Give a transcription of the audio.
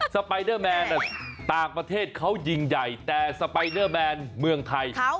ไปเดอร์แมนต่างประเทศเขายิงใหญ่แต่สไปเดอร์แมนเมืองไทย